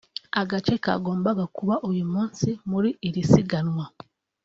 Agace kagombaga kuba uyu munsi muri iri siganwa